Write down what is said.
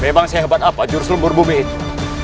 memang sehebat apa jurus lembur bube itu